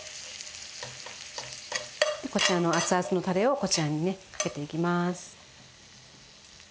でこちらの熱々のたれをこちらにねかけていきます。